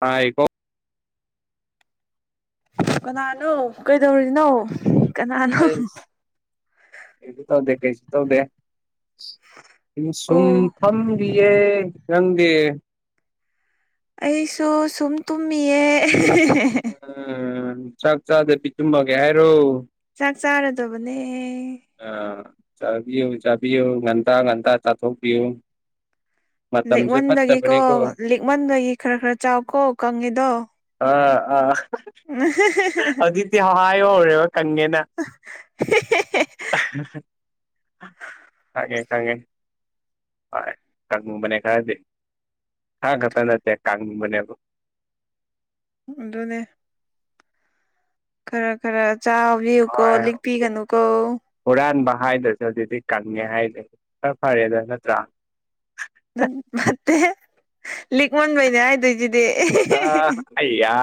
ꯀꯥꯏꯀꯣ ꯀꯅꯥꯅꯣ ꯀꯩꯗꯧꯔꯤꯅꯣ ꯀꯅꯥꯅꯣ ꯑꯩꯁ ꯀꯩꯁꯨ ꯇꯧꯗꯦ ꯀꯩꯁꯨ ꯇꯧꯗꯦ ꯁꯨꯝ ꯑꯣ ꯐꯝꯒꯤꯔꯤꯌꯦ ꯈꯪꯗꯦ ꯑꯩꯁꯨ ꯁꯨꯝ ꯇꯨꯝꯃꯤꯌꯦ ꯎꯝ ꯆꯥꯛ ꯆꯥꯗꯕꯤ ꯇꯨꯝꯃꯒꯦ ꯍꯥꯏꯔꯣ ꯆꯥꯛ ꯆꯥꯔꯗꯨꯕꯅꯦ ꯑꯥ ꯆꯥꯕꯤꯌꯨ ꯆꯥꯕꯤꯌꯨ ꯉꯟꯇꯥ ꯉꯟꯇꯥ ꯆꯥꯊꯣꯛꯄꯤꯌꯨ ꯃꯇꯝꯁꯦ ꯂꯤꯛꯃꯟꯕꯒꯤꯀꯣ ꯐꯠꯇꯕꯅꯤꯀꯣ ꯂꯤꯛꯃꯟꯕꯒꯤ ꯈꯔ ꯈꯔ ꯆꯥꯎꯀꯣ ꯀꯪꯉꯤꯗꯣ ꯑꯥ ꯑꯥ ꯑꯗꯨ ꯇꯤ ꯍꯥꯏ ꯍꯧꯔꯦꯕ ꯀꯪꯉꯦꯅ ꯀꯪꯉꯦ ꯀꯉꯦ ꯍꯥꯏ ꯀꯅꯤꯡꯕꯅꯦ ꯈꯔꯗꯤ ꯈꯔ ꯈꯛꯇ ꯅꯠꯇꯦ ꯀꯪꯕꯅꯦꯕ ꯑꯗꯨꯅꯦ ꯈꯔ ꯈꯔ ꯆꯥꯕꯤꯌꯨꯀꯣ ꯍꯣꯏ ꯂꯤꯛꯄꯤꯒꯅꯨꯀꯣ ꯍꯨꯔꯥꯟꯕ ꯍꯥꯏꯗ꯭ꯔꯁꯨ ꯍꯧꯖꯤꯛꯇꯤ ꯀꯪꯉꯦ ꯍꯥꯏꯗꯦ ꯐꯔ ꯐꯔꯦꯗ ꯅꯠꯇ꯭ꯔꯥ ꯅꯠ ꯅꯠꯇꯦꯍꯦ ꯂꯤꯛꯃꯥꯟꯕꯩꯅꯦ ꯍꯥꯏꯗꯣꯏꯁꯤ ꯑ ꯑꯌꯥ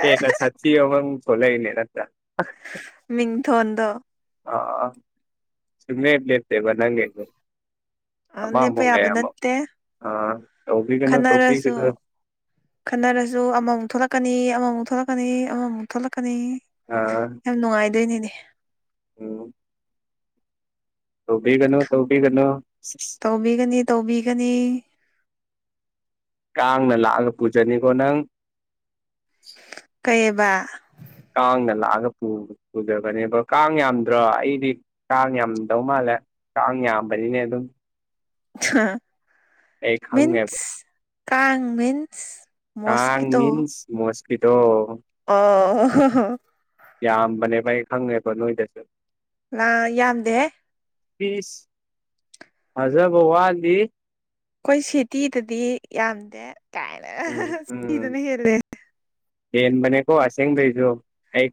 ꯍꯦꯟꯅ ꯁꯥꯊꯤ [unintelligible] ꯂꯩꯅꯦ ꯅꯠꯇ꯭ꯔ ꯃꯤꯡꯊꯣꯟꯗꫭ ꯑ ꯑ ꯁꯨꯝ-ꯂꯥꯞ ꯂꯥꯞꯇꯦꯕ ꯅꯪꯒꯤꯗꯤ ꯂꯦꯞꯄ ꯑꯃꯃꯨꯛ ꯂꯩ ꯌꯥꯕ ꯑꯃꯃꯨꯛ ꯅꯠꯇꯦ ꯑꯥ ꯇꯧꯕꯤꯒꯅꯨ ꯈꯟꯅꯔꯁꯨ ꯇꯧꯕꯤꯒꯅꯨ ꯈꯟꯅꯔꯁꯨ ꯑꯃꯃꯨꯛ ꯊꯣꯛꯂꯛꯀꯅꯤ ꯑꯃꯃꯨꯛ ꯊꯣꯛꯂꯛꯀꯅꯤ ꯑꯃꯃꯨꯛ ꯊꯣꯛꯂꯛꯀꯅꯤ ꯑꯥ ꯌꯥꯝ ꯅꯨꯡꯉꯥꯏꯗꯣꯏꯅꯦꯅꯦ ꯎꯝ ꯇꯕꯤ ꯀꯩꯅꯣ ꯇꯧꯕꯤ ꯀꯩꯅꯣ ꯇꯧꯕꯤꯒꯅꯤ ꯇꯧꯕꯤꯒꯅꯤ ꯀꯥꯡꯅ ꯂꯥꯛꯑꯒ ꯄꯨꯖꯅꯤꯀꯣ ꯅꯪ ꯀꯩꯕ ꯀꯥꯡꯅ ꯂꯥꯛꯑꯒ ꯄꯨꯗꯕꯅꯦꯕ ꯀꯥꯡ ꯌꯥꯝꯗ꯭ꯔꯥ ꯑꯩꯗꯤ ꯀꯥꯡ ꯌꯥꯝꯗꯧ ꯃꯥꯜꯂꯦ ꯀꯥꯡ ꯌꯥꯝꯕꯅꯤꯅꯦ ꯑꯗꯨꯝ ꯑ ꯑꯩ ꯈꯪꯉꯦꯕ ꯃꯤꯟꯁ ꯀꯥ ꯃꯤꯟꯁ ꯀꯥꯡꯥꯡ ꯃꯣꯁꯀꯤꯇꯣ ꯃꯤꯟꯁ ꯃꯣꯁꯀꯤꯇꯣ ꯑꯣ ꯌꯥꯝꯕꯅꯦꯕ ꯑꯩ ꯈꯪꯉꯦꯕ ꯅꯣꯏꯗꯁꯨ ꯂꯥ ꯌꯥꯝꯗꯦ ꯄꯤꯁ ꯐꯖꯕ ꯋꯥꯠꯂꯤ ꯑꯩꯈꯣꯏ ꯁꯦꯇꯤꯗꯗꯤ ꯌꯥꯝꯗꯦ ꯀꯥꯏꯅ ꯎꯝ ꯁꯇꯤꯗꯅ ꯍꯦꯜꯂꯦ ꯌꯦꯟ ꯃꯅꯦ ꯀꯣ ꯑꯁꯦꯡꯗꯩꯖꯣ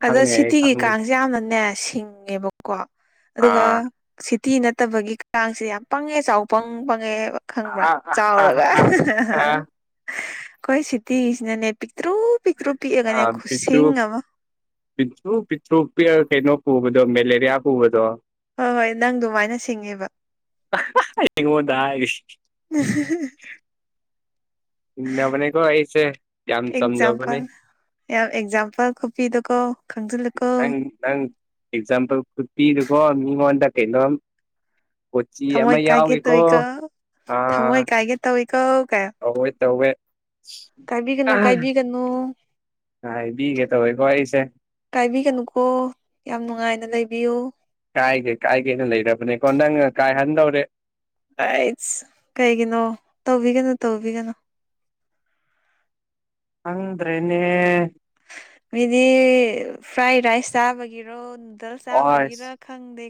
ꯑꯗꯣ ꯁꯤꯇꯤꯒꯤ ꯀꯥꯡꯁꯦ ꯌꯥꯝꯅꯅꯦ ꯁꯤꯡꯉꯦꯕꯀꯣ ꯑꯗꯨꯒ ꯑꯥ ꯁꯤꯇꯤ ꯅꯠꯇꯕꯒꯤꯁꯤꯗꯤ ꯌꯥꯝ ꯄꯪꯉꯦ ꯆꯥꯎ ꯄꯪ ꯄꯪꯉꯦꯕ ꯈꯪꯕ꯭ꯔꯥ ꯑꯥ ꯑꯥ ꯑꯥ ꯆꯥꯎꯔꯒ ꯑꯥ ꯑꯥ ꯑꯩꯈꯣꯏ ꯁꯤꯇꯤꯁꯤꯅꯅꯦ ꯄꯤꯛꯇ꯭ꯔꯨ ꯄꯤꯛꯇ꯭ꯔꯨ ꯄꯤꯛꯑꯒꯅꯦ ꯈꯨꯁꯤꯡ ꯑꯃ ꯄꯤꯆ ꯄꯤ ꯀꯩꯅꯣ ꯄꯨꯕꯗꯣ ꯃꯦꯂꯦꯔꯤꯌꯥ ꯄꯨꯕꯗꯣ ꯍꯣꯏ ꯍꯣꯏ ꯅꯪ ꯑꯗꯨꯃꯥꯏꯅ ꯁꯤꯡꯉꯦꯕ ꯌꯦꯉꯗ ꯎ ꯅꯦ ꯀꯣ ꯀꯍꯤꯁꯦ ꯑꯦꯛꯖꯥꯝꯄꯜ ꯌꯥꯝ ꯑꯦꯛꯖꯥꯝꯄꯜ ꯀꯄꯤꯗꯣꯀꯣ ꯈꯪꯖꯤꯜꯂꯀꯣ ꯅꯪ ꯅꯪ ꯑꯦꯛꯖꯥꯝꯄꯜ ꯈꯨꯠꯄꯤꯗꯨꯀꯣ ꯃꯤꯉꯣꯟꯗ ꯀꯩꯅꯣꯝ ꯀꯆꯤ ꯑꯃꯃ ꯊꯃꯣꯏ ꯀꯥꯏꯒꯦ ꯌꯥꯎꯒꯦꯀꯣ ꯑꯥ ꯇꯧ ꯏ ꯀꯧ ꯀ ꯑꯋꯣꯏ ꯇꯧꯋꯦ ꯀꯥꯏꯕꯤꯒꯅꯨ ꯀꯥꯏꯕꯤꯒꯅꯨ ꯑ ꯕꯤꯒꯦ ꯇꯧꯏ ꯀꯣꯏꯁꯦ ꯀꯥꯏꯕꯤꯒꯅꯨꯀꯣ ꯌꯥꯝ ꯅꯨꯡꯉꯥꯏꯅ ꯂꯩꯕꯤꯌꯨ ꯀꯥꯏꯒꯦ ꯀꯥꯏꯒꯦꯅ ꯂꯩꯔꯕꯅꯦꯀꯣ ꯅꯪ ꯀꯥꯏꯍꯟꯗꯧꯔꯦ ꯑꯩꯁ ꯀꯩꯒꯤꯅꯣ ꯇꯧꯕꯤꯒꯅꯨ ꯇꯧꯕꯤꯒꯅꯨ ꯍꯪꯗ꯭ꯔꯦꯅꯦ ꯑꯗꯤ ꯐ꯭ꯔꯥꯏ ꯔꯥꯏꯁ ꯇꯥꯕꯒꯤꯔꯣ ꯑꯁ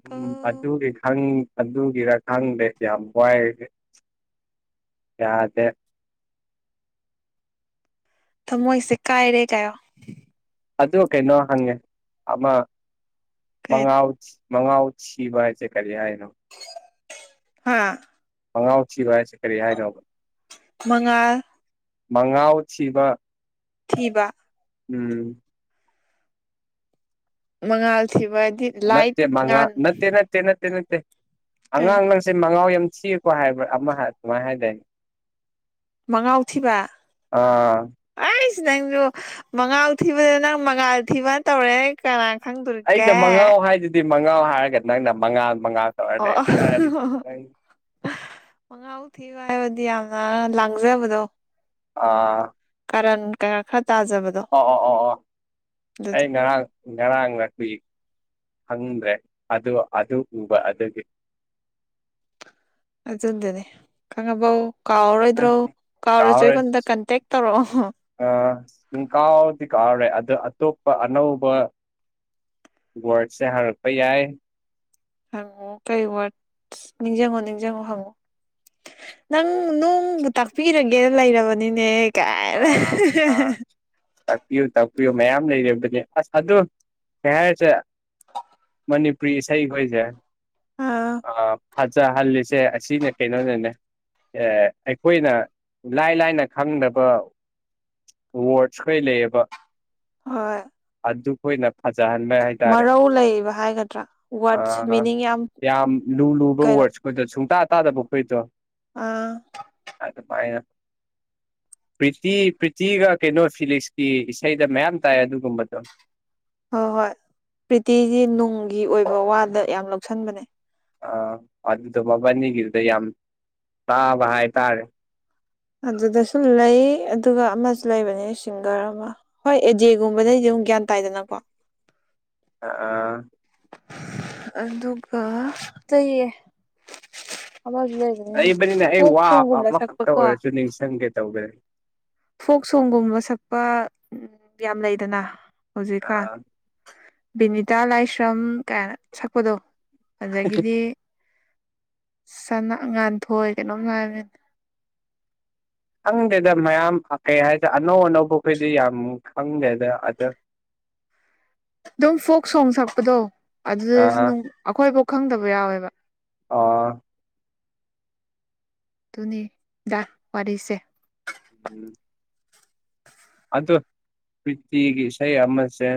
ꯎꯝ ꯀꯖ ꯈꯪ ꯑꯗꯨꯒꯤꯔ ꯈꯪꯗꯦ ꯌꯥꯝ ꯋꯥꯏꯦ ꯌꯥꯗꯦ ꯃꯣꯏꯁꯦ ꯀꯥꯏꯔꯦ ꯀꯥꯏ ꯑꯗꯨ ꯀꯩꯅꯣ ꯍꯪꯉꯦ ꯑꯃ ꯀꯩꯅꯣ ꯃꯉꯥꯎ ꯃꯉꯥꯥꯎꯠ ꯁꯤꯕ ꯍꯥꯏꯁꯦ ꯀꯔꯤ ꯍꯥꯏꯅꯣ ꯍꯥꯥ ꯄꯉꯥꯎ ꯊꯤꯕ ꯍꯥꯏꯁꯦ ꯀꯔꯤ ꯍꯥꯏꯅꯣꯕ ꯃꯉꯥ ꯃꯉꯥꯎ ꯊꯕ ꯊꯕ ꯎꯝ ꯃꯉꯥꯜ ꯊꯤꯕꯗꯤ ꯅꯠꯇꯦ ꯃꯉ ꯅꯠꯇꯦ ꯅꯠꯇꯦ ꯅꯠꯇꯦ ꯅꯠꯇꯦ ꯀꯩ ꯑꯉꯥꯡꯥꯡ ꯁꯦ ꯃꯉꯥꯎ ꯌꯥꯝ ꯊꯤꯔꯀꯣ ꯍꯥꯏꯕ꯭ꯔꯥ ꯑꯃ ꯑꯗꯨꯃꯥꯏꯅ ꯍꯥꯏꯇꯥꯏꯅꯦ ꯃꯉꯥꯎꯊꯤꯕ ꯑꯥ ꯑꯩꯁ ꯅꯪꯁꯨ ꯃꯉꯥꯜ ꯊꯤꯕꯗ ꯅꯪ ꯃꯉꯥꯜ ꯊꯤꯕꯅ ꯇꯧꯔꯦ ꯀꯅꯥꯥꯡ ꯈꯪꯗꯔꯀꯦ ꯁꯤ ꯃꯉꯥꯎ ꯍꯥꯏꯔꯒꯗꯤ ꯅꯪꯅ ꯃꯉꯥ ꯃꯉꯥ ꯇꯧꯔ ꯂꯩ ꯀꯔꯤꯪ ꯃꯉꯥꯕꯨꯨꯛ ꯊꯤꯌꯨ ꯍꯥꯏꯕꯗꯤ ꯌꯥꯝꯅ ꯂꯥꯡꯖꯕꯗꯣ ꯑ ꯀꯔꯟ ꯀꯌꯥ ꯈꯔ ꯇꯥꯖꯕꯗ ꯑꯣ ꯑꯣ ꯑꯣ ꯑꯣ ꯑꯩ ꯉꯔꯥꯡ ꯉꯔꯥꯡ ꯅꯨꯄꯤꯄꯤ ꯈꯪꯗ꯭ꯔꯦ ꯑꯗꯨ ꯑꯗꯨ ꯎꯕ ꯑꯗꯨꯒꯤ ꯑꯗꯨ ꯑꯗꯨꯗꯅꯦ ꯀꯉꯕꯎ ꯀꯥꯎꯔꯣꯏꯗ꯭ꯔꯣ ꯀꯥꯎꯔꯁꯨ ꯑꯩꯉꯣꯟꯗ ꯀꯟꯇꯦꯛ ꯇꯧꯔꯛꯑꯣ ꯑ ꯁꯨꯝ ꯀꯥꯎꯗꯤ ꯀꯥꯎꯔꯦ ꯑꯗꯣ ꯑꯇꯣꯞꯄ ꯑꯅꯧꯕ ꯋꯥꯔꯗꯁꯦ ꯍꯥꯡꯔꯛꯄ ꯌꯥꯏ ꯍꯪꯉꯣ ꯀꯔꯤ ꯋꯥꯔꯗ ꯅꯤꯡꯁꯤꯡꯪꯉꯣ ꯅꯤꯡꯁꯤꯡꯪꯉꯣ ꯍꯪꯉꯣ ꯅꯪ ꯅꯣꯡꯕꯨ ꯇꯥꯛꯄꯤꯔꯒꯦꯅ ꯂꯩꯔꯕꯅꯤꯅꯦ ꯀꯥꯏꯔ ꯇꯥꯛꯄꯤꯌꯨ ꯇꯥꯛꯄꯤꯌꯨ ꯃꯌꯥꯝ ꯂꯩꯔꯤꯕꯅꯦ ꯑꯁ ꯑꯗꯨꯗ ꯀꯩ ꯍꯥꯏꯔꯤꯁꯦ ꯃꯅꯤꯄꯨꯔꯤ ꯏꯁꯩꯈꯣꯏꯁꯦ ꯑꯥ ꯑ ꯐꯠꯖꯍꯜꯂꯤꯁꯦ ꯑꯁꯤꯅꯦ ꯀꯩꯅꯣꯅꯦꯅꯦ ꯑꯩꯈꯣꯏꯅ ꯂꯥꯏ ꯂꯥꯏꯅ ꯈꯪꯗꯕ ꯋꯥꯣꯁ ꯀꯩ ꯂꯩꯦꯕ ꯍꯣꯏ ꯑꯗꯨꯈꯣꯏꯅ ꯐꯖꯍꯟꯕ ꯍꯥꯏ ꯔꯦ ꯃꯔꯧ ꯂꯩꯕ ꯍꯥꯏꯒꯗ꯭ꯔꯥ ꯋꯥꯔꯗꯁ ꯃꯤꯅꯤꯡ ꯌꯥꯝ ꯂꯨ ꯂꯨꯕ ꯀꯩꯅꯣ ꯋꯥꯔ ꯑꯩꯗꯣ ꯁꯨꯡꯇꯥ ꯇꯇꯥꯗꯕꯄꯩꯗꯣ ꯑꯥ ꯑꯗꯨ ꯑꯗꯨ ꯐꯥꯏꯅ ꯄ꯭ꯔꯤꯇꯤ ꯄ꯭ꯔꯤꯇꯤꯒ ꯀꯩꯅꯣ ꯐꯤꯂꯤꯛꯁꯀꯤ ꯏꯁꯩꯗ ꯃꯌꯥꯝ ꯇꯥꯏ ꯑꯗꯨꯒꯨꯝꯕꯗꯣ ꯍꯣꯏ ꯍꯣꯏ ꯄ꯭ꯔꯤꯇꯤꯖꯤ ꯅꯨꯡꯒꯤ ꯑꯣꯏꯕ ꯋꯥꯗ ꯌꯥꯝ ꯂꯧꯁꯟꯕꯅꯦ ꯑ ꯑꯗꯨꯗꯣ ꯃꯕꯥꯅꯤꯒꯤꯗꯨꯗ ꯌꯥꯝ ꯇꯥꯕ ꯍꯥꯏꯇꯥꯔꯦ ꯑꯗꯨꯗꯁꯨ ꯂꯩ ꯑꯗꯨꯒ ꯑꯃꯁꯨ ꯂꯩꯕꯅꯦ ꯁꯤꯡꯒꯔ ꯑꯃ ꯍꯣꯏ ꯑꯦꯖꯦꯒꯨꯝꯕꯗꯩꯗꯤ ꯑꯗꯨꯝ ꯒ꯭ꯌꯥꯟ ꯇꯥꯏꯗꯅꯀꯣ ꯑ ꯑ ꯑꯗꯨꯒ ꯀꯌꯦ ꯑꯃꯁ ꯂꯩ ꯂꯩꯕꯅꯤꯅ ꯑꯩ ꯋꯥꯕ ꯑꯃꯈꯛꯇ ꯑꯣꯏꯔꯁꯨ ꯅꯤꯡꯁꯤꯡꯒꯦ ꯇꯧꯒꯦ ꯐꯣꯛ ꯁꯣꯡꯒꯨꯝꯕ ꯁꯛꯄ ꯌꯥꯝ ꯂꯩꯗꯅ ꯍꯧꯖꯤꯛꯀꯥꯟ ꯑꯥ ꯕꯤꯅꯤꯇꯥ ꯂꯥꯏꯁ꯭ꯔꯝ ꯀꯥꯏꯅ ꯁꯛꯄꯗꯣ ꯑꯗꯒꯤꯗꯤ ꯆꯅ ꯉꯥꯟꯊꯣꯏ ꯀꯩꯅꯣꯝ ꯂꯥꯛꯕꯅꯤꯅ ꯈꯪꯗꯦꯗ ꯃꯌꯥꯝ ꯀꯩ ꯍꯥꯏꯁꯦ ꯑꯅꯧ ꯑꯅꯧꯕ ꯑꯩꯈꯣꯏꯗꯤ ꯌꯥꯝ ꯈꯪꯗꯦꯗ ꯑꯗ ꯑꯗꯨꯝ ꯐꯣꯛ ꯁꯣꯡ ꯁꯛꯄꯗꯣ ꯑꯥ ꯑꯗꯨꯗꯁꯨ ꯑꯩꯈꯣꯏꯐꯥꯎ ꯈꯪꯗꯕ ꯌꯥꯎꯋꯦꯕ ꯑ ꯑꯗꯨꯅꯤ ꯌꯥꯥꯛ ꯋꯥꯁꯦ ꯎꯝ ꯑꯗ ꯐꯇꯤꯒꯤ ꯏꯁꯩ ꯑꯃꯁꯦ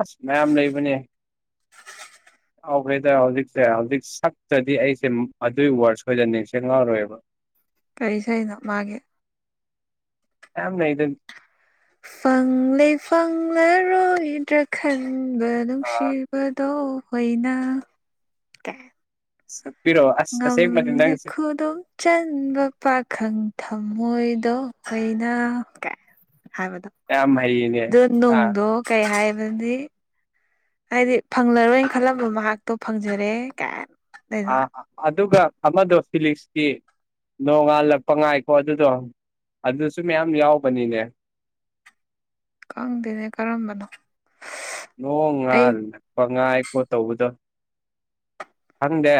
ꯑꯁ ꯃꯌꯥꯝ ꯂꯩꯕꯅꯦ ꯌꯥꯈꯦꯗ ꯍꯧꯖꯤꯛꯁꯦ ꯍꯧꯖꯤꯛ ꯁꯛꯇ꯭ꯔꯗꯤ ꯑꯩꯁꯦ ꯑꯗꯨꯏ ꯋꯥꯔ ꯁꯣꯏꯗꯅ ꯅꯤꯡꯁ ꯉꯥꯎꯔꯣꯏꯕ ꯀꯔꯤ ꯁꯅꯣ ꯃꯥꯒꯤ ꯌꯥꯝꯅꯦ ꯏ ꯐꯪꯂꯦ ꯐꯪꯂꯔꯣꯏꯗ꯭ꯔꯥ ꯈꯪꯕ ꯑ ꯅꯨꯡꯁꯤ ꯕꯥꯥꯗꯣ ꯑꯣꯏꯅꯥ ꯁꯛ ꯄꯤꯔꯣ ꯑꯁꯁ ꯍꯦꯡꯦꯛ ꯃꯥꯅꯤꯡꯅꯤ ꯉꯝꯂꯦ ꯅꯪꯁꯤꯦ [unintelligible] ꯆꯟꯕ ꯄꯥꯈꯪ ꯊꯝꯃꯣꯏꯗꯣ ꯑꯩꯅ ꯀꯥꯏ ꯍꯥꯏꯕꯗꯣ ꯌꯥꯝ ꯍꯩꯅꯦ ꯗꯣ ꯑ ꯅꯨꯡꯗꯣ ꯀꯩ ꯍꯥꯏꯕꯗꯤ ꯍꯥꯏꯗꯤ ꯐꯪꯂꯔꯣꯏꯅ ꯈꯜꯂꯝꯕ ꯃꯍꯥꯛꯇꯣ ꯐꯪꯖꯔꯦ ꯀꯥꯏꯟ ꯑꯥ ꯑꯗꯨꯒ ꯑꯃꯗꯣ ꯐꯤꯂꯤꯛꯁꯀꯤ ꯅꯣꯡꯉꯥꯜꯂꯛꯄ ꯉꯥꯏꯈꯣ ꯑꯗꯨꯗꯣ ꯑꯗꯨꯁꯨ ꯃꯌꯥꯝ ꯌꯥꯎꯕꯅꯤꯅꯦ ꯈꯪꯗꯦꯅꯦ ꯀꯔꯝꯕꯅꯣ ꯅꯣꯡ ꯑꯩ ꯉꯥꯜ ꯅꯛꯄ ꯉꯥꯏꯈꯣ ꯇꯧꯕꯗꯣ ꯈꯪꯗꯦ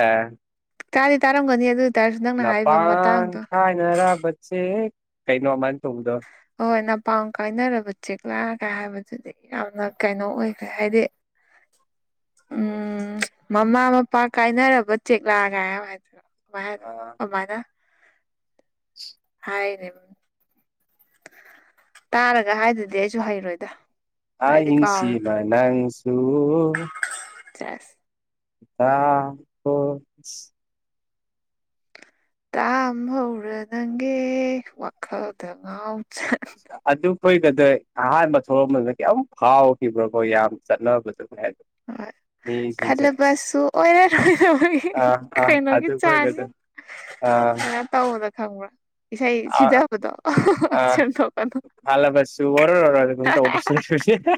ꯇꯥꯗꯤ ꯇꯔꯝꯒꯅꯤ ꯑꯗꯨ ꯇꯥꯔꯁꯨ ꯅꯪꯅ ꯍꯥꯏꯔꯤꯕ ꯅꯄꯥꯡ ꯃꯇꯥꯡꯗꯣ ꯀꯥꯏꯅꯔꯕ ꯆꯦꯛ ꯀꯩꯅꯣ ꯑꯗꯨꯃꯥꯏꯟ ꯇꯧꯕꯗꯣ ꯍꯣꯏ ꯅꯄꯥꯝ ꯀꯥꯏꯅꯔꯕ ꯆꯦꯛꯂꯛꯒ ꯍꯥꯏꯕꯗꯨꯗꯤ ꯌꯥꯝꯅ ꯀꯩꯅꯣ ꯑꯣꯏꯈ꯭ꯔꯦ ꯍꯥꯏꯗꯤ ꯎꯝ ꯃꯃꯥ ꯃꯄꯥ ꯀꯥꯏꯅꯔꯕ ꯆꯦꯛꯂꯥꯒꯥꯏ ꯌꯥꯝ ꯍꯥꯏꯗ ꯑꯗꯨꯃꯥꯏ ꯍꯥꯏꯗꯣꯏꯅꯣ ꯀꯃꯥꯏꯅ ꯍꯥꯏꯔꯤꯅꯦꯕ ꯇꯥꯔꯒ ꯍꯥꯏꯗ꯭ꯔꯗꯤ ꯑꯩꯖꯨ ꯍꯩꯔꯣꯏꯗ ꯍꯥꯏꯗꯤ ꯀꯥꯎꯔꯦ ꯑꯍꯤꯡꯁꯤꯃꯥ ꯅꯪꯁꯨ ꯁꯦꯁ [unintelligible] ꯇꯥꯝꯍꯧꯔ ꯅꯪꯒꯤ ꯋꯥꯈꯜꯗ ꯉꯥꯎ ꯆꯠ ꯑꯗꯨꯈꯣꯏꯒꯗꯔ ꯑꯍꯥꯟꯕ ꯊꯣꯂꯛꯑꯝꯕꯗ ꯀꯌꯥꯝ ꯐꯥꯎꯈꯤꯕ꯭ꯔꯀꯣ ꯌꯥꯝ ꯆꯠꯅꯕꯗ [unintelligible] ꯍꯣꯏ ꯈꯜꯂꯕꯁꯨ ꯑꯣꯏꯔꯔꯔꯣꯏ ꯑꯥ ꯀꯩꯅꯣꯒꯤ ꯆꯥꯟꯒꯤ ꯑ ꯀꯩꯅꯣ ꯇꯧꯕꯗꯣ ꯈꯪꯕ꯭ꯔꯥ ꯏꯁꯩ ꯑꯥ ꯁꯤꯗꯕꯗꯣ ꯑꯥ ꯁꯦꯝꯗꯣꯛꯄꯗꯣ [inaudible] ꯍꯥꯜꯂꯕꯁꯨ ꯑꯣꯔꯣꯔꯣ ꯑꯗꯨꯝ ꯇꯧꯕꯁꯨ ꯂꯩꯕꯅꯦ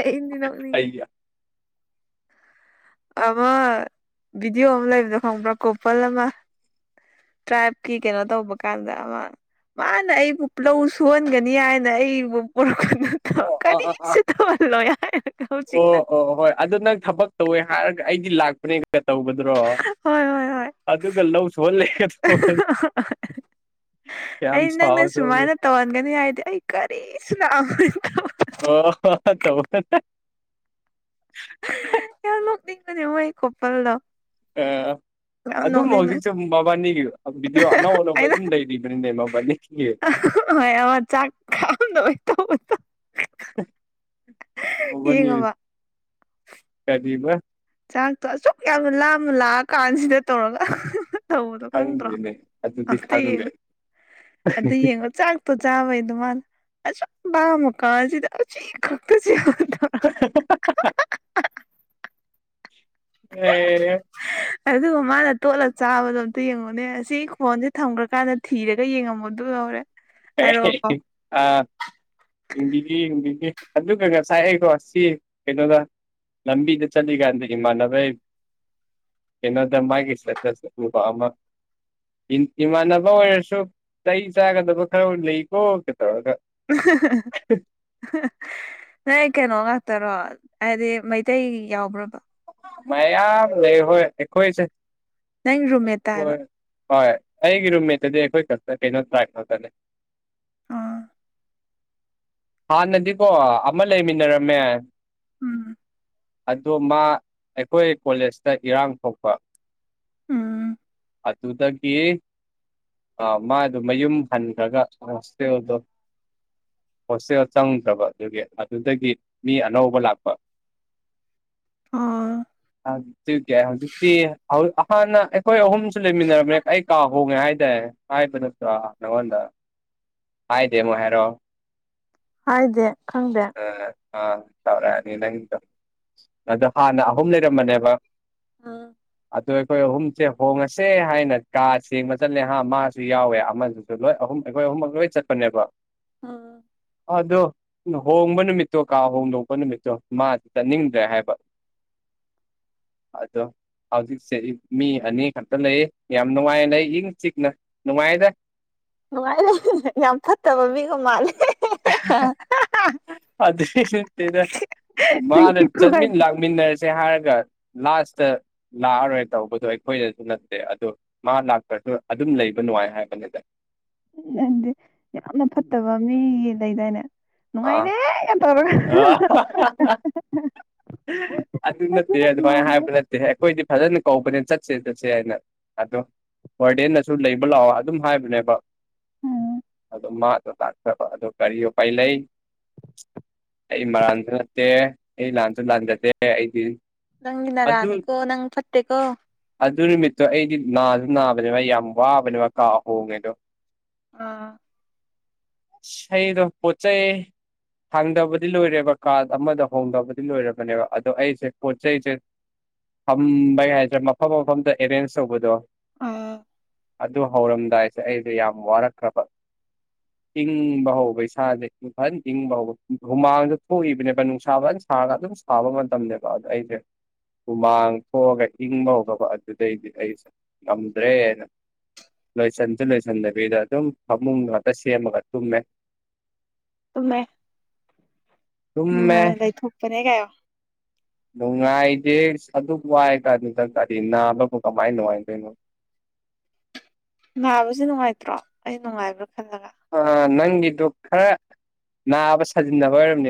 ꯑꯩꯗꯤ ꯑꯩ ꯅꯣꯛꯅꯤꯡꯉꯤꯗ ꯑꯃ ꯚꯤꯗꯤꯑꯣ ꯑꯝ ꯂꯩꯕꯗꯣ ꯈꯪꯕ꯭ꯔꯥ ꯀꯣꯄꯜ ꯑꯃ ꯇ꯭ꯔꯥꯏꯕꯀꯤ ꯀꯩꯅꯣ ꯇꯧꯕ ꯀꯥꯟꯗ ꯑꯃ ꯃꯥꯅ ꯑꯩꯕꯨ ꯂꯧ ꯁꯨꯍꯟꯒꯅꯤ ꯍꯥꯏꯅ ꯑꯩꯕꯨ ꯄꯣꯔꯛꯄꯅꯨ ꯊꯣ ꯑꯣ ꯑꯣ ꯑꯣ ꯑꯥ ꯀꯔꯤꯁꯨ ꯇꯧꯍꯟꯂꯣꯏ ꯍꯥꯏꯔꯒ ꯍꯧꯖꯤꯛꯅ ꯑꯣ ꯑꯣ ꯍꯣꯏ ꯑꯗꯣ ꯅꯪ ꯊꯕꯛ ꯇꯧꯋꯦ ꯍꯥꯏꯔꯒ ꯑꯩꯗꯤ ꯂꯥꯛꯄꯅꯦ ꯀ ꯇꯧꯕꯗꯨꯔꯣ ꯍꯣꯏ ꯍꯣꯏ ꯍꯣꯏ ꯑꯗꯨꯒ ꯂꯧ ꯁꯨꯍꯜꯂꯦ ꯇꯧꯕꯗꯣ ꯑꯩ ꯌꯥꯝ ꯅꯪꯅ ꯁꯥꯎꯌꯦ ꯁꯨꯃꯥꯏꯅ ꯇꯧꯍꯟꯒꯅꯤ ꯍꯥꯏꯔꯗꯤ ꯑꯩ ꯀꯔꯤꯁꯨ ꯂꯥꯛꯑꯝꯃꯣꯏ ꯇꯧꯕꯗꯣ [unintelligible] ꯌꯥꯝ ꯅꯣꯛꯅꯤꯡꯕꯅꯤ ꯃꯣꯏ ꯀꯣꯄꯜꯗꯣ ꯑꯥ ꯌꯥꯝ ꯑꯗꯨꯝ ꯅꯣꯛꯅꯤꯡꯕꯅꯦ ꯍꯧꯖꯤꯛꯁꯨ ꯃꯕꯥꯅꯤꯒꯤ ꯑ ꯚꯤꯗꯤꯑꯣ ꯑꯅꯧ ꯑꯅꯧꯕ ꯑꯩꯅ ꯑꯗꯨꯝ ꯂꯩꯔꯤꯕꯅꯤꯅꯦ ꯃꯕꯥꯅꯤꯒꯤ ꯍꯣꯏ ꯑꯃꯥ ꯆꯥꯛ ꯈꯥꯛꯑꯝꯗꯕꯩ ꯇꯧꯕꯗꯣ ꯃꯕꯥꯅꯤ ꯌꯦꯡꯉꯕ ꯀꯔꯤꯕ ꯆꯥꯛꯇꯣ ꯑꯁꯨꯛ ꯌꯥꯝꯅ ꯂꯥꯝꯅ ꯂꯥꯛꯑ ꯀꯥꯟꯁꯤꯗ ꯇꯧꯔꯒ ꯇꯧꯕꯗꯣ ꯈꯪꯗ꯭ꯔꯣ ꯈꯪꯗꯦꯅꯦ ꯑꯗꯨꯗꯤ ꯑꯝꯇ ꯈꯪꯗꯦ ꯌꯦꯡꯉꯨ ꯑꯗꯨ ꯌꯦꯡꯉꯨ ꯆꯥꯛ ꯇꯣ ꯆꯥꯕꯩ ꯑꯗꯨꯃꯥꯏꯅ ꯑꯁꯨꯛ ꯂꯥꯝꯃꯥꯀꯥꯟꯁꯤꯗ ꯑꯁꯤ ꯈꯛꯇꯁꯤꯕꯨ [unintelligible] [unintelligible] [unintelligible] ꯑꯗꯨꯒ ꯃꯥꯅ ꯇꯣꯠꯂ ꯆꯥꯕꯗꯣ ꯑꯝꯇ ꯌꯦꯡꯉꯨꯅꯦ ꯑꯁꯤ ꯐꯣꯟꯁꯦ ꯊꯝꯒ꯭ꯔꯀꯥꯟꯗ ꯊꯤꯔꯒ ꯌꯦꯡꯉꯝꯃꯨ ꯑꯗꯨꯗꯣ ꯍꯣꯔꯦꯟ ꯍꯥꯏꯔꯛꯑꯣꯀꯣ ꯑꯥ ꯌꯦꯡꯕꯤꯒꯦ ꯌꯦꯡꯕꯤꯒꯦ ꯑꯗꯨꯒ ꯉꯁꯥꯏ ꯑꯩꯀꯣ ꯁꯤ ꯀꯩꯅꯣꯗ ꯂꯝꯕꯤꯗ ꯆꯠꯂꯤ ꯀꯥꯟꯗ ꯏꯃꯥꯟꯅꯕꯩ ꯀꯩꯅꯣꯗ ꯃꯥꯒꯤ ꯏꯁꯇꯦꯇꯁꯇ ꯎꯕ ꯑꯃ ꯏꯃꯥꯟꯅꯕ ꯑꯣꯏꯔꯁꯨ ꯆꯩ ꯆꯥꯒꯗꯕ ꯈꯔ ꯂꯩꯀꯣ ꯇꯧꯔꯒ [unintelligible] ꯅꯣꯏ ꯀꯩꯅꯣ ꯉꯥꯛꯇꯔꯣ ꯍꯥꯏꯗꯤ ꯃꯩꯇꯩ ꯌꯥꯎꯕ꯭ꯔꯕ ꯃꯌꯥꯝ ꯂꯩ ꯍꯣꯏ ꯑꯩꯈꯣꯏꯁꯦ ꯅꯪ ꯔꯨꯝꯃꯦꯠꯇ ꯍꯥꯏꯕ ꯑꯩꯈꯣꯏ ꯍꯣꯏ ꯑꯩꯒꯤ ꯔꯨꯝꯃꯦꯠꯇꯗꯤ ꯑꯩꯈꯣꯏ ꯈꯛꯇ ꯀꯩꯅꯣ ꯇ꯭ꯔꯥꯏꯕ ꯈꯛꯇꯅꯦ ꯑꯥ ꯍꯥꯟꯅꯗꯤꯀꯣ ꯑꯃ ꯂꯩꯃꯤꯟꯅꯔꯝꯃꯦ ꯎꯝ ꯑꯗꯣ ꯃꯥ ꯑꯩꯈꯣꯏ ꯀꯣꯂꯦꯖꯇ ꯏꯔꯥꯡ ꯊꯣꯛꯄ ꯎꯝ ꯑꯗꯨꯗꯒꯤ ꯑ ꯃꯥꯗꯣ ꯃꯌꯨꯝ ꯍꯟꯈ꯭ꯔꯒ ꯍꯣꯁꯇꯦꯜꯗꯣ ꯍꯣꯁꯇꯦꯜ ꯆꯪꯗ꯭ꯔꯕ ꯑꯗꯨꯒꯤ ꯑꯗꯨꯗꯒꯤ ꯃꯤ ꯑꯅꯧꯕ ꯂꯥꯛꯄ ꯑꯣ ꯑꯗꯨꯒꯤ ꯍꯧꯖꯤꯛꯇꯤ ꯑꯍ ꯍꯥꯟꯅ ꯑꯩꯈꯣꯏ ꯑꯍꯨꯝꯁꯨ ꯂꯩꯃꯤꯟꯅꯔꯝꯃꯦ ꯑꯩ ꯀꯥ ꯍꯣꯡꯉꯦ ꯍꯥꯏꯗꯥꯏ ꯍꯥꯏꯕ ꯅꯠꯇ꯭ꯔꯣ ꯅꯪꯉꯣꯟꯗ ꯍꯥꯏꯗꯦꯃꯨꯛ ꯍꯥꯏꯔꯛꯑꯣ ꯍꯥꯏꯗꯦ ꯈꯪꯗꯦ ꯑꯥ ꯑꯥ ꯇꯧꯔꯛꯑꯅꯤ ꯅꯪꯁꯨ ꯑꯗꯣ ꯍꯥꯟꯅ ꯑꯍꯨꯝ ꯂꯩꯔꯝꯕꯅꯦꯕ ꯑ ꯑꯗꯣ ꯑꯩꯈꯣꯏ ꯑꯍꯨꯝꯁꯦ ꯍꯣꯡꯉꯁꯦ ꯍꯥꯏꯅ ꯀꯥ ꯁꯦꯡꯕ ꯆꯠꯂꯦ ꯍꯥ ꯃꯥꯁꯨ ꯌꯥꯎꯋꯦ ꯑꯃꯁꯨ ꯑꯗꯨ ꯂꯣꯏ ꯑꯍꯨꯝ ꯑꯩꯈꯣꯏ ꯑꯍꯨꯝꯃꯛ ꯂꯣꯏ ꯆꯠꯄꯅꯦꯕ ꯑ ꯑꯗꯣ ꯍꯣꯡꯕ ꯅꯨꯃꯤꯠꯇꯣ ꯀꯥ ꯍꯣꯡꯗꯣꯛꯄ ꯅꯨꯃꯤꯠꯇꯣ ꯃꯥꯗꯤ ꯆꯠꯅꯤꯡꯗ꯭ꯔꯦ ꯍꯥꯏꯕ ꯑꯗꯣ ꯍꯧꯖꯤꯛꯁꯦ ꯃꯤ ꯑꯅꯤ ꯈꯛꯇ ꯂꯩꯌꯦ ꯌꯥꯝ ꯅꯨꯡꯉꯥꯏ ꯂꯩ ꯏꯪ ꯆꯤꯛꯅ ꯅꯨꯡꯉꯥꯏꯗ ꯅꯨꯡꯉꯥꯏ ꯂꯩ ꯌꯥꯝ ꯐꯠꯇꯕ ꯃꯤꯒ ꯃꯥꯜꯂꯦ ꯑꯗꯨꯏꯁꯨ ꯅꯠꯇꯦꯗ ꯃꯥꯅ ꯅꯪꯒꯤ ꯈꯨꯍꯥꯏ ꯆꯠꯃꯤꯟ ꯂꯥꯛ ꯃꯤꯟꯅꯔꯁꯦ ꯍꯥꯏꯔꯒ ꯂꯥꯁꯇ ꯂꯥꯛꯑꯔꯣꯏ ꯇꯧꯕꯗꯣ ꯑꯩꯈꯣꯏꯗꯁꯨ ꯅꯠꯇꯦ ꯑꯗꯣ ꯃꯥ ꯂꯥꯛꯇ꯭ꯔꯁꯨ ꯑꯗꯨꯝ ꯂꯩꯕ ꯅꯨꯡꯉꯥꯏ ꯍꯥꯏꯕꯅꯤꯗ ꯎ ꯑꯗꯨꯗꯤ ꯌꯥꯝꯅ ꯐꯠꯇꯕ ꯃꯤꯒꯤ ꯂꯩꯗꯥꯏꯅꯦ ꯑꯥ ꯅꯨꯡꯉꯥꯏꯅꯦ ꯌꯥꯝ ꯇꯧꯔꯒ ꯑ [unintelligible] ꯑꯗꯨ ꯅꯠꯇꯦ ꯑꯗꯨꯃꯥꯏꯅ ꯃꯥꯅꯦ ꯍꯥꯏꯕ ꯅꯠꯇꯦ ꯑꯩꯈꯣꯏꯗꯤ ꯐꯖꯅ ꯀꯧꯕꯅꯦ ꯆꯠꯁꯦ ꯆꯠꯁꯦ ꯍꯥꯏꯅ ꯑꯗꯣ ꯋꯥꯔꯗꯦꯟꯅꯁꯨ ꯂꯩꯕ ꯂꯥꯛꯑꯣ ꯑꯗꯨꯝ ꯍꯥꯏꯕꯅꯦꯕ ꯎꯝ ꯑ ꯃꯥꯗꯣ ꯇꯥꯛꯆꯕ ꯑꯗꯣ ꯀꯔꯤ ꯎꯄꯥꯏ ꯂꯩꯩ ꯑꯩ ꯃꯥꯟꯕ ꯅꯠꯇꯦ ꯑꯩ ꯂꯥꯟꯁꯨ ꯂꯥꯟꯖꯗꯦ ꯑꯩꯗꯤ ꯅꯪꯒꯤ ꯑꯗꯨ ꯅꯔꯥꯜꯅꯤ ꯀꯣ ꯅꯪ ꯐꯠꯇꯦ ꯀꯣ ꯑꯗꯨ ꯅꯨꯃꯤꯠꯇꯣ ꯑꯩꯗꯤ ꯅꯥꯁꯨ ꯅꯥꯕꯅꯦꯕ ꯌꯥꯝ ꯋꯥꯕꯅꯦꯕ ꯀꯥ ꯍꯣꯡꯉꯦꯗꯣ ꯑꯥ ꯍ ꯑꯩꯗ ꯄꯣꯠꯆꯩ ꯊꯥꯡꯗꯕꯗꯤ ꯂꯣꯏꯔꯦꯕ ꯀꯥ ꯑꯃꯗ ꯍꯣꯡꯗꯕꯗꯤ ꯂꯣꯏꯔꯕꯅꯦꯕ ꯑꯗꯣ ꯑꯩꯁꯦ ꯄꯣꯠ ꯆꯩꯁꯦ ꯊꯝꯕꯩ ꯍꯥꯏꯁꯦ ꯃꯐꯝ ꯃꯐꯝꯗ ꯑꯦꯔꯦꯟꯖ ꯇꯧꯕꯗꯣ ꯑ ꯑꯗꯨ ꯍꯧꯔꯝꯗꯥꯏꯁꯦ ꯑꯩꯁꯦ ꯌꯥꯝ ꯋꯥꯔꯛꯈ꯭ꯔꯕ ꯏꯪꯕ ꯍꯧꯕ ꯏꯁꯥꯥꯁꯦ ꯐꯖꯅ ꯏꯪꯕ ꯍꯧꯕ ꯍꯨꯃꯥꯡꯁꯨ ꯊꯣꯛꯏꯕꯅꯦꯕ ꯅꯨꯡꯁꯥ ꯐꯖꯅ ꯁꯥꯔꯒ ꯑꯗꯨꯝ ꯁꯥꯕ ꯃꯇꯝꯅꯦꯕ ꯑꯗꯣ ꯑꯩꯁꯦ ꯍꯨꯃꯥꯡ ꯊꯣꯛꯑꯒ ꯏꯪꯕ ꯍꯧꯈ꯭ꯔꯕ ꯑꯗꯨꯗꯩꯗꯤ ꯑꯩꯁꯦ ꯉꯝꯗ꯭ꯔꯦꯅ ꯂꯣꯏꯁꯟꯁꯨ ꯂꯣꯏꯁꯟꯗꯕꯤꯗ ꯑꯗꯨꯝ ꯐꯃꯨꯡ ꯉꯥꯛꯇ ꯁꯦꯝꯃꯒ ꯇꯨꯝꯃꯦ ꯇꯨꯝꯃꯦ ꯇꯨꯝꯃꯦ ꯅꯨꯡꯉꯥꯏꯅ ꯂꯩ ꯊꯣꯛꯣꯛꯄꯅꯦ ꯀꯥꯏꯑꯣ ꯅꯨꯡꯉꯥꯏꯗꯦ ꯑꯁ ꯑꯗꯨꯛ ꯋꯥꯏ ꯀꯥꯟꯗꯨꯗ ꯀꯔꯤ ꯅꯥꯕꯕꯨ ꯀꯃꯥꯏꯅ ꯅꯨꯡꯉꯥꯏꯗꯣꯏꯅꯣ ꯅꯥꯕꯁꯨ ꯅꯨꯡꯉꯥꯏꯇ꯭ꯔꯣ ꯑꯩ ꯅꯨꯡꯉꯥꯏꯕ꯭ꯔꯥ ꯈꯜꯂꯒ ꯑ ꯅꯪꯒꯤꯗꯨ ꯈꯔ ꯅꯥꯕ ꯁꯥꯖꯤꯟꯅꯕ ꯑꯣꯏꯔꯝꯅꯦ